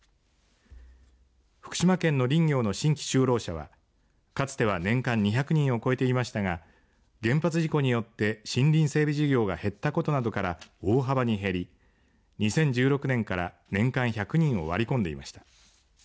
福島県の林業の新規就労者はかつては年間２００人を超えていましたが原発事故によって森林整備事業が減ったことなどから大幅に減り２０１６年から年間１００人を割り込んでいました。